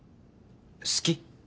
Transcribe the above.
好き？